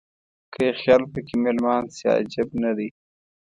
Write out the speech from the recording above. که یې خیال په کې مېلمان شي عجب نه دی.